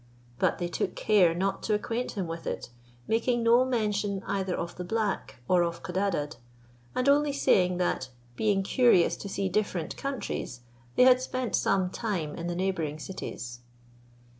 But they took care not to acquaint him with it, making no mention either of the black or of Codadad; and only said, that, being curious to see different countries, they had spent some time in the neighbouring cities.